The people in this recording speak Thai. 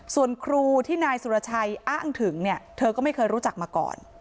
ส่วนครูที่นายสุรชัยอ้างถึงเนี่ยเธอก็ไม่เคยรู้จักมาก่อน